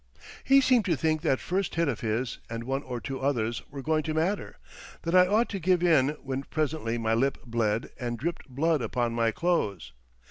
He seemed to think that first hit of his and one or two others were going to matter, that I ought to give in when presently my lip bled and dripped blood upon my clothes.